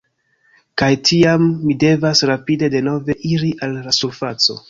Kaj tiam mi devas rapide denove iri al la surfaco.